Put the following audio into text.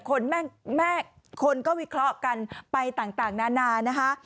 แม่คนก็วิเคราะห์กันไปต่างนานานะคะ